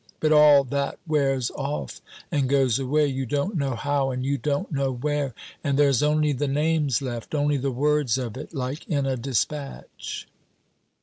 But all that wears off and goes away, you don't know how and you don't know where, and there's only the names left, only the words of it, like in a dispatch."